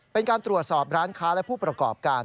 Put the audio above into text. เป็นการตรวจสอบร้านค้าและผู้ประกอบการ